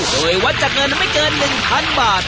โดยวัดจากเงินไม่เกิน๑๐๐๐บาท